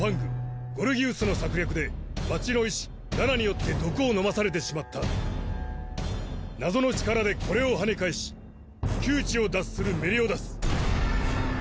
ゴルギウスの策略で町の医師ダナによって毒を飲まされてしまった謎の力でこれをはね返し窮地を脱するメリオダス